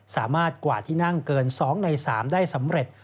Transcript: สามารถกวาดที่นั่งเกิน๒ใน๓ได้สำเร็จ